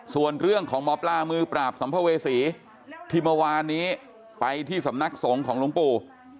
ส่วนเรื่องของหมอปลามือปราบสัมภเวษีที่เมื่อวานนี้ไปที่สำนักสงฆ์ของหลวงปู่